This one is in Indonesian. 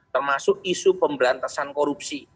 termasuk isu pemberantasan korupsi